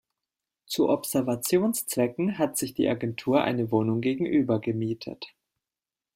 Zu Observationszwecken hat sich die Agentur eine Wohnung gegenüber gemietet.